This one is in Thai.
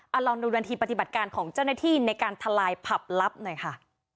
เอาลองดูนาทีปฏิบัติการของเจ้าหน้าที่ในการทลายผับลับหน่อยค่ะ